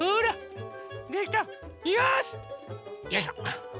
よいしょ！